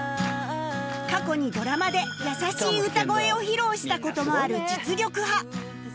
過去にドラマで優しい歌声を披露した事もある実力派